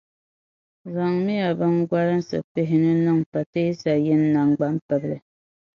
Zaŋmiya biŋgolinsi pihinu niŋ pateesa yini naŋgbambili.